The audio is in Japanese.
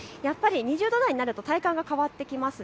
２０度台になると体感が変わってきます。